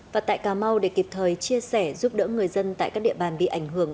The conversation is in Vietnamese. và tại cà mau để kịp thời chia sẻ giúp đỡ người dân tại các địa bàn bị ảnh hưởng